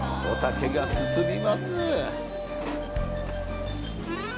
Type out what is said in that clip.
お酒が進みます。